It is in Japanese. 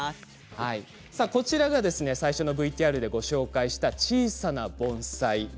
こちらは先ほどＶＴＲでご紹介した小さな盆栽。